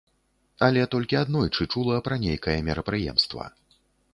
Але толькі аднойчы чула пра нейкае мерапрыемства.